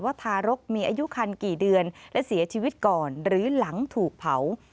ทารกมีอายุคันกี่เดือนและเสียชีวิตก่อนหรือหลังถูกเผา